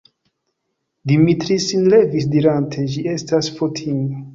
Dimitri sin levis dirante: «Ĝi estas Fotini! »